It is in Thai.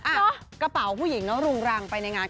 อ้าวกระเป๋าผู้หญิงแล้วรุงรังไปในงาน